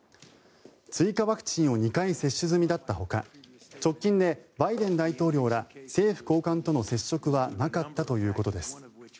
追加ワクチンを２回接種済みだったほか直近でバイデン大統領ら政府高官との接触はなかったということです。